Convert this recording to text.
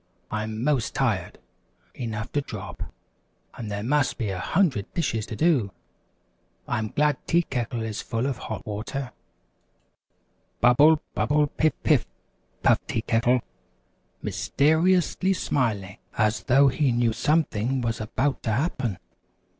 I'm 'most tired enough to drop, and there must be a hundred dishes to do! I'm glad Tea Kettle is full of hot water." "Bubble! Bubble! Piff! Piff!" puffed Tea Kettle, mys ter i ous ly smiling as though he knew something was about to happen.